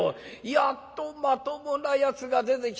やっとまともなやつが出てきたよ。